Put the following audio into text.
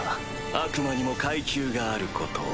悪魔にも階級があることを。